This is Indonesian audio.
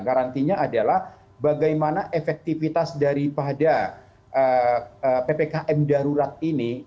karantina adalah bagaimana efektivitas daripada ppkm darurat ini